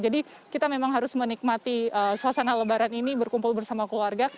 jadi kita memang harus menikmati suasana lebaran ini berkumpul bersama keluarga